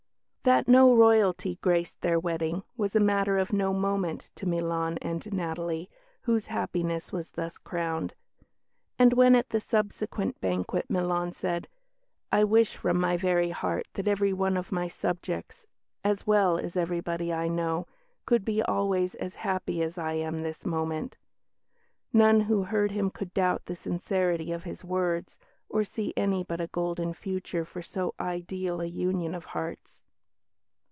That no Royalty graced their wedding was a matter of no moment to Milan and Natalie, whose happiness was thus crowned; and when at the subsequent banquet Milan said, "I wish from my very heart that every one of my subjects, as well as everybody I know, could be always as happy as I am this moment," none who heard him could doubt the sincerity of his words, or see any but a golden future for so ideal a union of hearts.